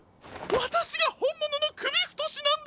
わたしがほんもののくびふとしなんです！